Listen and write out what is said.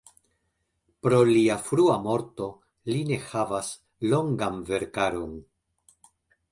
Pro lia frua morto li ne havas longan verkaron.